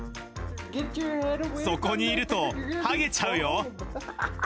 そこにいると、はげちゃうよ。